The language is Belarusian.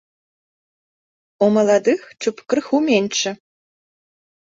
У маладых чуб крыху меншы.